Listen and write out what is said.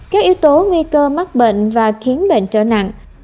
các yếu tố nguy cơ mắc bệnh và khiến bệnh trở nặng